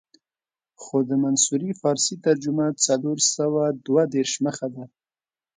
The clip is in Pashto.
خو د منصوري فارسي ترجمه څلور سوه دوه دېرش مخه ده.